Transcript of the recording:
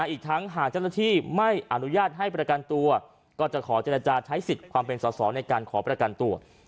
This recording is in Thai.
อีกทั้งหากเจ้าหน้าที่ไม่อนุญาตให้ประกันตัวก็จะขอเจรจาใช้สิทธิ์ความเป็นสอสอในการขอประกันตัว